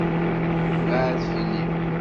Beɛɛed fell-i!